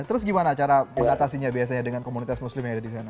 terus gimana cara mengatasinya biasanya dengan komunitas muslim yang ada di sana